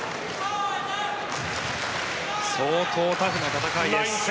相当なタフな戦いです。